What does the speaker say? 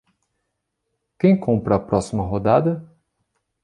Quem compra a próxima rodada?